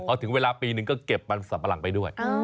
พอถึงเวลาปีนึงก็เก็บมันสับปะหลังไปด้วย